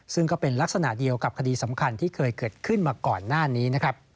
ซึ่งก็เป็นลักษณะเดียวกับคดีสำคัญที่เคยเกิดขึ้นมาก่อนหน้านี้นะครับ